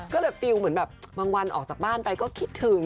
ก็เลยฟิลเหมือนแบบบางวันออกจากบ้านไปก็คิดถึง